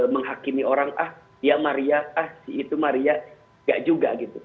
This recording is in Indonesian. menghakimi orang ah dia maria ah itu maria tidak juga